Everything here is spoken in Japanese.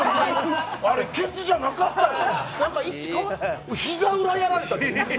ケツじゃなかったよ。